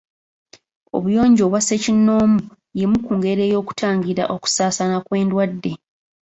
Obuyonjo obwa ssekinomu y'emu ku ngeri ey'okutangira okusaasaana kw'endwadde.